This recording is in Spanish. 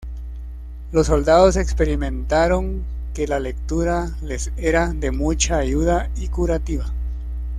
Los soldados experimentaron que la lectura les era de mucha ayuda y curativa.